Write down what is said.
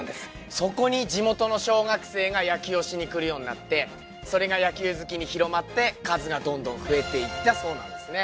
そこに地元の小学生が野球をしに来るようになってそれが野球好きに広まって数がどんどん増えていったそうなんですね